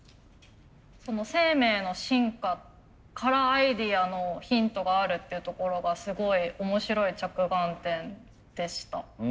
生命の進化からアイデアのヒントがあるっていうところがすごい面白い着眼点でした。